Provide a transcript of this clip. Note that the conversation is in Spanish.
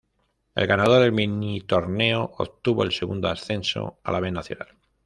El ganador del minitorneo obtuvo el segundo ascenso a la B Nacional.